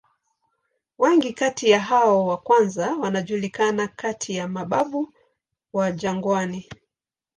Wengi kati ya hao wa kwanza wanajulikana kati ya "mababu wa jangwani".